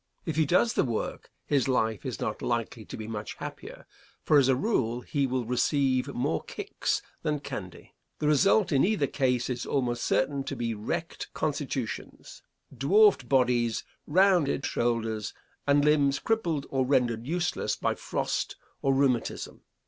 If he does the work, his life is not likely to be much happier, for as a rule he will receive more kicks than candy. The result in either case is almost certain to be wrecked constitutions, dwarfed bodies, rounded shoulders, and limbs crippled or rendered useless by frost or rheumatism.